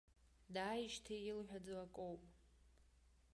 Дааижьҭеи илҳәаӡо акоуп.